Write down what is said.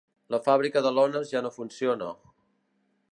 La fàbrica de lones ja no funciona.